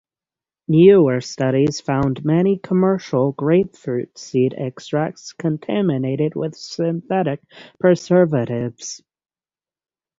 Newer studies found many commercial grapefruit seed extracts contaminated with synthetic preservatives.